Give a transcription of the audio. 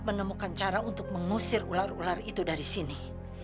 menemukan cara untuk mengusir ular ular itu dari sini